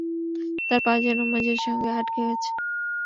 তাঁর পা যেন মেঝের সঙ্গে আটকে গেছে।